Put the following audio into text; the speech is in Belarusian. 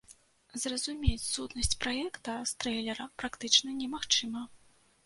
Зразумець сутнасць праекта з трэйлера практычна немагчыма.